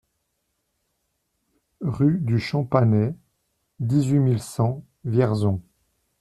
Rue du Champanet, dix-huit mille cent Vierzon